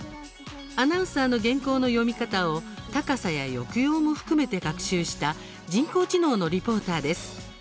アナウンサーの原稿の読み方を高さや抑揚も含めて学習した人工知能のリポーターです。